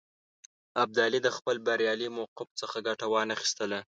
ابدالي د خپل بریالي موقف څخه ګټه وانه خیستله.